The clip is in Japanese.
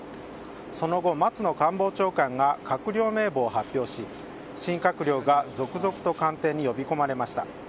その後、松野官房長官が閣僚名簿を発表し新閣僚が続々と官邸に呼びこまれました。